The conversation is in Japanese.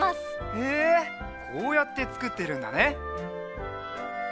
へえこうやってつくってるんだね。